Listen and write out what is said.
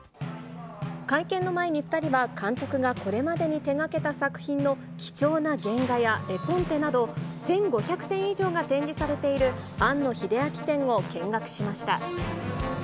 会見の前に２人は、監督がこれまでに手がけた作品の貴重な原画や絵コンテなど、１５００点以上が展示されている庵野秀明展を見学しました。